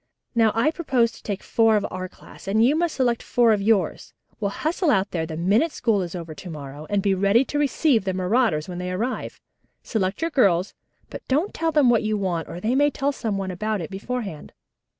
Now I propose to take four of our class, and you must select four of yours. We'll hustle out there the minute school is over to morrow, and be ready to receive the marauders when they arrive. Select your girls, but don't tell them what you want or they may tell some one about it beforehand."